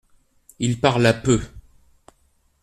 Il parla peu.